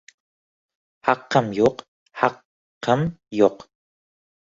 Haqqim yo‘q haq-qim yo‘q!..